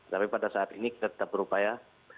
tapi pada saat ini kita tetap berupaya